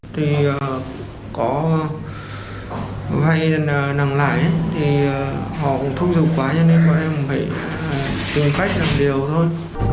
thì có vay nặng lái thì họ cũng thúc giục quá nên bọn em phải tìm cách làm điều thôi